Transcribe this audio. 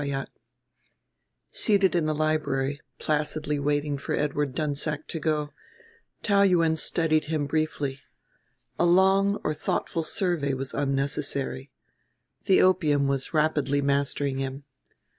IX Seated in the library, placidly waiting for Edward Dunsack to go, Taou Yuen studied him briefly. A long or thoughtful survey was unnecessary: the opium was rapidly mastering him.